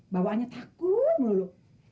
bawaannya takut mulu